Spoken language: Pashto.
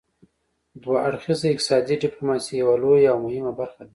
دوه اړخیزه اقتصادي ډیپلوماسي یوه لویه او مهمه برخه ده